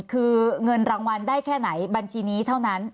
คือเงินรางวัลได้แค่ไหนบัญชีนี้เท่านั้น